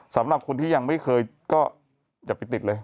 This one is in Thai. สำหรับคนที่ยังไม่เคยก็อย่าไปติดเลย